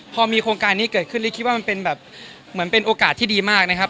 พอมีโครงการนี้เกิดขึ้นคิดว่ามันเป็นโอกาสที่ดีมากนะครับ